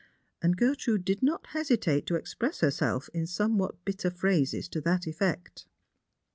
And Gertrude did not hesitate to express herself in somewhat bitter phrases to that efi'ect.